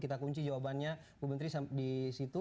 kita kunci jawabannya bu menteri disitu